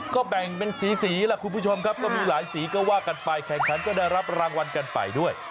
ก็แบ่งเป็นสีล่ะคุณผู้ชมครับก็มีหลายสีก็ว่ากันไปแข่งขันก็ได้รับรางวัลกันไปด้วย